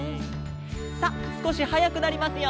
さあすこしはやくなりますよ。